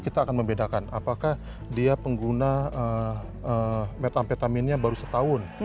kita akan membedakan apakah dia pengguna metamfetaminnya baru setahun